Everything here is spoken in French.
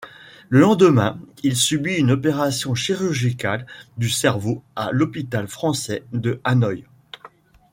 Le lendemain, il subit une opération chirurgicale du cerveau à l'Hôpital français de Hanoï.